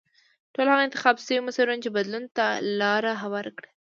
ټول هغه انتخاب شوي مسیرونه چې بدلون ته لار هواره کړه.